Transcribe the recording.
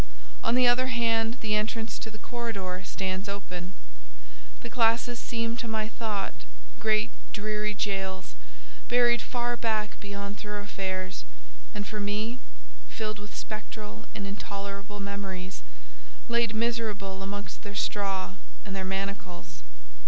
On the other hand, the entrance to the corridor stands open. The classes seem to my thought, great dreary jails, buried far back beyond thoroughfares, and for me, filled with spectral and intolerable Memories, laid miserable amongst their straw and their manacles.